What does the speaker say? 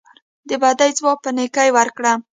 د بدۍ ځواب په نیکۍ ورکړه.